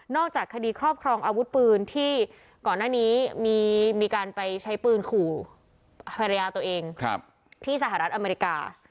จากคดีครอบครองอาวุธปืนที่ก่อนหน้านี้มีการไปใช้ปืนขู่ภรรยาตัวเองที่สหรัฐอเมริกา